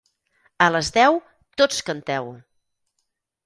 A les deu, tots canteu!